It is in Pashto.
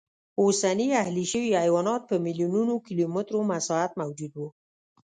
اوسني اهلي شوي حیوانات په میلیونونو کیلومترو مساحت موجود و